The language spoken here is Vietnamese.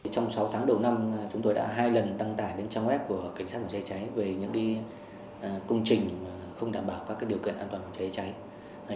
trong sáu tháng đầu năm chúng tôi đã hai lần tăng tải đến trang web của cảnh sát phòng cháy chữa cháy về những công trình không đảm bảo các điều kiện an toàn về phòng cháy chữa cháy